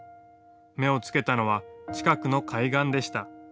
目を付けたのは近くの海岸でした。